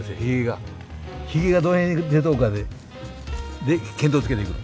ひげがどの辺に出とるかでで見当をつけていく。